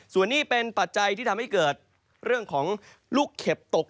ส่วนนี้เป็นปัจจัยที่ทำให้เกิดเรื่องของลูกเข็บตก